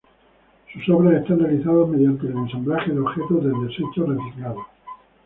Sus obras están realizadas mediante el ensamblaje de objetos de desecho reciclados.